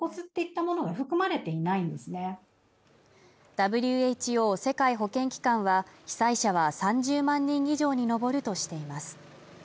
ＷＨＯ＝世界保健機関は被災者は３０万人以上に上るとしています